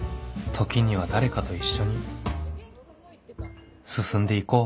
時には誰かと一緒に進んでいこう